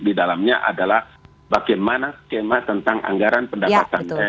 di dalamnya adalah bagaimana skema tentang anggaran pendapatan